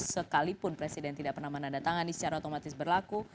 sekalipun presiden tidak pernah menandatangani secara otomatis berlaku